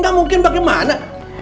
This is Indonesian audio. gak mungkin bagaimana